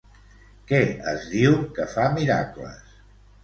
Què es diu que fa miracles?